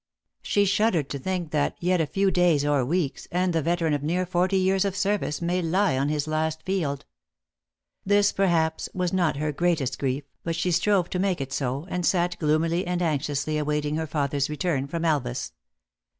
She shuddered to think that, yet a few days or weeks, and the veteran of near forty years of service may lie on his last field. This, THE ACTRESS IN HIGH LIFE. 401 perhaps, was not her greatest grief, but she strove to make it so, and sat gloomily and anxiously awaiting her father s return from Elvas.